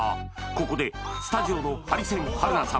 ここでスタジオのハリセン春菜さん